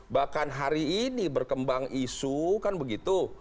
bahkan hari ini berkembang isu kan begitu